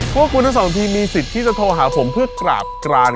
พวกคุณทั้งสองทีมมีสิทธิ์ที่จะโทรหาผมเพื่อกราบกราน